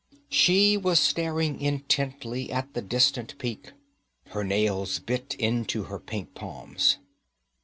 She was staring intently at the distant peak. Her nails bit into her pink palms.